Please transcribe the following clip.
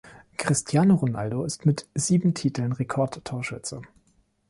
Cristiano Ronaldo ist mit sieben Titeln Rekordtorschütze.